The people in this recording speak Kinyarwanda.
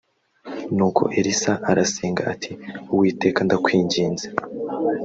nuko elisa arasenga ati uwiteka ndakwinginze